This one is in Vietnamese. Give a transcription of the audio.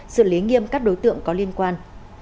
xử lý nghiêm các đối tượng có liên quan